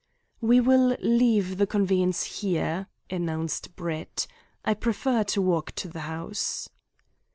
"We will leave the conveyance here," announced Brett "I prefer to walk to the house."